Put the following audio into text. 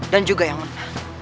dan juga yang menang